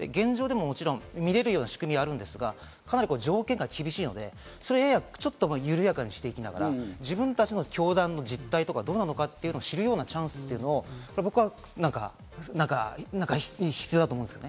現状でも見られる仕組みがあるんですが、かなり条件が厳しいので、やや緩やかにしていきながら自分たちの教団の実態とか、どうなのかというの知るチャンスというの僕は何か必要だと思います。